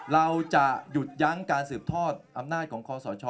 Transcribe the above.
เราจะหยุดยั้งการสืบทอดอำนาจของคอสช